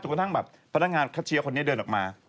กระทั่งแบบพนักงานคัชเชียร์คนนี้เดินออกมา